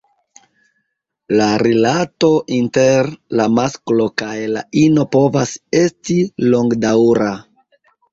La rilato inter la masklo kaj la ino povas estis longdaŭra.